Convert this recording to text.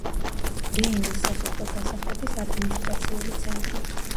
ბეინის სასოფლო დასახლების ადმინისტრაციული ცენტრი.